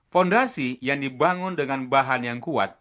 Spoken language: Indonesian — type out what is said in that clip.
fondasi yang dibangun dengan bahan yang kuat